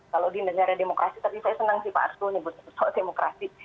kalau di negara demokrasi tadi saya senang sih pak arsul ini bukan soal demokrasi